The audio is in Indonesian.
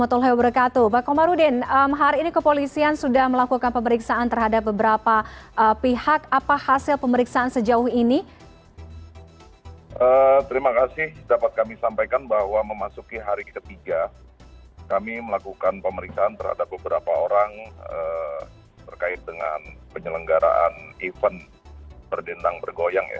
terima kasih dapat kami sampaikan bahwa memasuki hari ketiga kami melakukan pemeriksaan terhadap beberapa orang berkait dengan penyelenggaraan event berdendang bergoyang ya